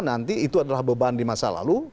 nanti itu adalah beban di masa lalu